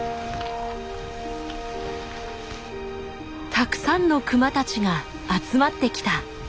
たくさんのクマたちが集まって来た。